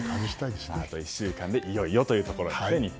あと１週間でいよいよというところ。